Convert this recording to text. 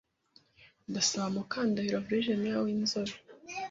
Ndasaba Mukandahiro Virijiniya winzobe